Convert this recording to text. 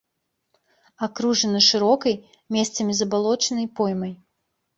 Акружана шырокай, месцамі забалочанай поймай.